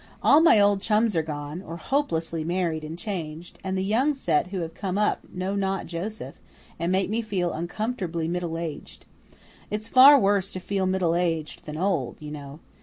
All my old chums are gone, or hopelessly married and changed, and the young set who have come up know not Joseph, and make me feel uncomfortably middle aged. It's far worse to feel middle aged than old, you know.